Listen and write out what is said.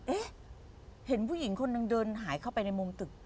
เอ๊ะเห็นผู้หญิงคนหนึ่งเดินหายเข้าไปในมุมตึก